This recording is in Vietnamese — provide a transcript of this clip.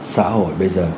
xã hội bây giờ